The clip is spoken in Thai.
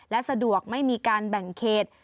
และสะดวกไม่มีการแบ่งเขต